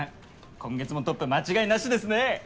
今月もトップ間違いなしですね。